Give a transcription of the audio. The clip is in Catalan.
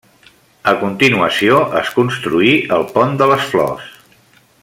A continuació, es construí el pont de les Flors.